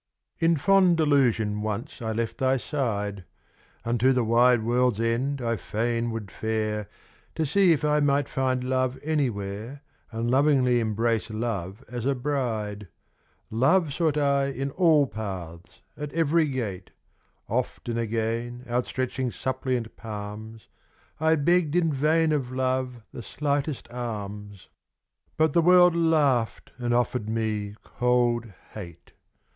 In fond delusion once I left thy side; Unto the wide world's end I fain would fare, To see if I might find Love anywhere, And lovingly embrace Love as a bride. Love sought I in all paths, at every gate; Oft and again outstretching suppliant palms, I begged in vain of Love the slightest alms, But the world laughed and offered me cold hate.